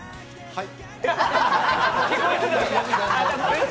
はい？